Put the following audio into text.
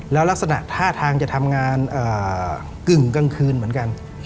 แล้วลักษณะท่าทางจะทำงานกึ่งกลางคืนเหมือนกัน